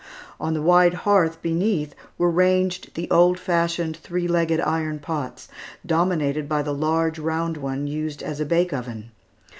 On the wide hearth beneath were ranged the old fashioned three legged iron pots, dominated by the large round one, used as a bake oven.